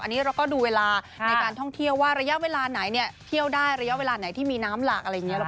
อันนี้เราก็ดูเวลาในการท่องเที่ยวว่าระยะเวลาไหนเนี่ยเที่ยวได้ระยะเวลาไหนที่มีน้ำหลากอะไรอย่างนี้